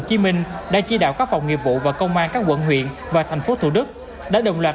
chí minh đã chỉ đạo các phòng nghiệp vụ và công an các quận huyện và thành phố thủ đức đã đồng loạt